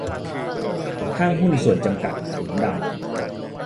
ห้างหุ้นส่วนจำกัด ขุนดำ